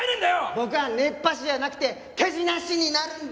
僕は熱波師じゃなくて手品師になるんだ！